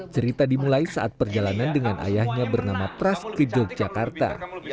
cerita dimulai saat perjalanan dengan ayahnya bernama pras ke yogyakarta